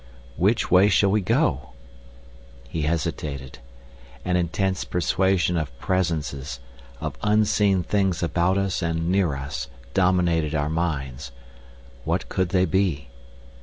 "Which way shall we go?" He hesitated. An intense persuasion of presences, of unseen things about us and near us, dominated our minds. What could they be?